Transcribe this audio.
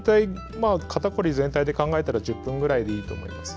肩凝り全体で考えたら１０分ぐらいでいいと思います。